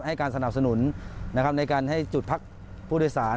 ให้การสนับสนุนในการให้จุดพักผู้โดยสาร